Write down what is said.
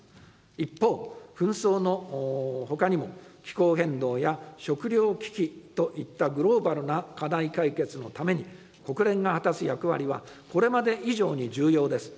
一方、紛争のほかにも、気候変動や食糧危機といったグローバルな課題解決のために、国連が果たす役割はこれまで以上に重要です。